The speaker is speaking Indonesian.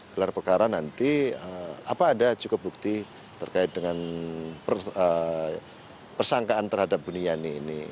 gelar perkara nanti apa ada cukup bukti terkait dengan persangkaan terhadap buniani ini